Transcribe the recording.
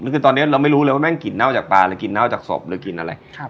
คือตอนนี้เราไม่รู้เลยว่าแม่งกลิ่นเน่าจากปลาหรือกินเน่าจากศพหรือกินอะไร